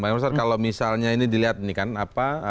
bang emerson kalau misalnya ini dilihat nih kan apa